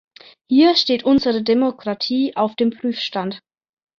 Hier steht unsere Demokratie auf dem Prüfstand.